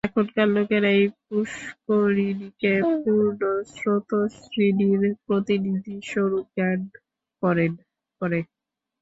এখনকার লোকেরা এই পূষ্করিণীকে পূর্ণ স্রোতস্বিনীর প্রতিনিধিস্বরূপ জ্ঞান করে।